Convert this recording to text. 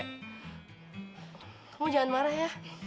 kamu jangan marah ya